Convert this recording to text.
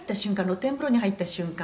露天風呂に入った瞬間